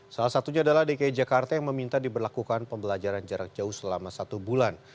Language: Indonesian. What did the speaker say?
salah satunya adalah dki jakarta yang meminta diberlakukan pembelajaran jarak jauh selama satu bulan